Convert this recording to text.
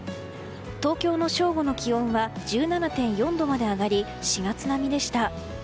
東京の正午の気温は１７．４度まで上がり４月並みでした。